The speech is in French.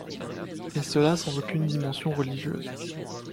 Et cela sans aucune dimension religieuse.